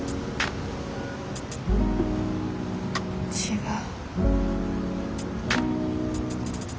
違う。